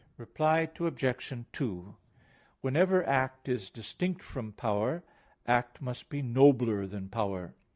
Reply Obj. 2: Whenever act is distinct from power, act must be nobler than power.